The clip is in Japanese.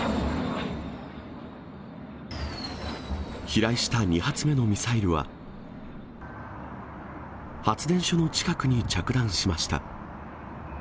飛来した２発目のミサイルは、発電所の近くに着弾しました。